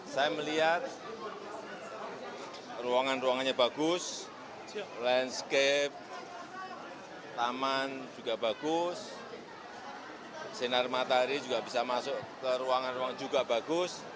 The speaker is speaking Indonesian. saya melihat ruangan ruangannya bagus landscape taman juga bagus sinar matahari juga bisa masuk ke ruangan ruang juga bagus